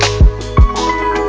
terima kasih ya sh lad obviously